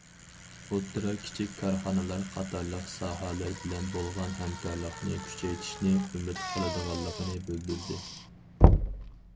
ئوتتۇرا، كىچىك كارخانىلار قاتارلىق ساھەلەر بىلەن بولغان ھەمكارلىقنى كۈچەيتىشنى ئۈمىد قىلىدىغانلىقىنى بىلدۈردى.